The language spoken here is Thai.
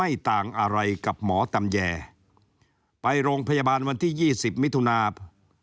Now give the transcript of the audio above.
ไม่ต่างอะไรกับหมอตำแยไปโรงพยาบาลวันที่๒๐มิถุนา